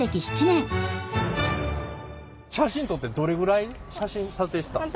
写真撮ってどれぐらい写真撮影したん？